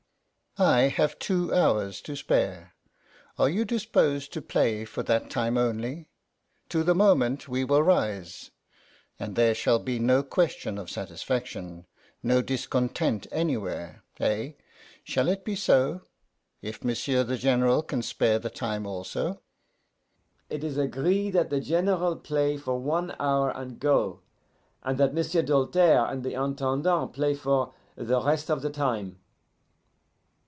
'I have two hours to spare; are you dispose to play for that time only? To the moment we will rise, and there shall be no question of satisfaction, no discontent anywhere eh, shall it be so, if m'sieu' the General can spare the time also?' It is agree that the General play for one hour and go, and that M'sieu' Doltaire and the Intendant play for the rest of the time.